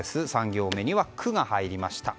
３行目「ク」が入りました。